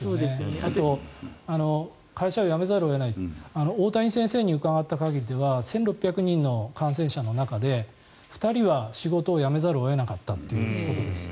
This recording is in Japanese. あと会社を辞めざるを得ないって大谷先生に伺った限りでは１６００人の感染者の中で２人は仕事を辞めざるを得なかったということです。